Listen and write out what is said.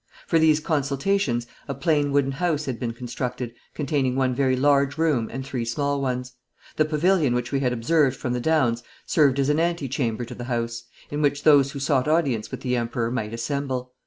For these consultations a plain wooden house had been constructed containing one very large room and three small ones. The pavilion which we had observed from the Downs served as an ante chamber to the house, in which those who sought audience with the Emperor might assemble.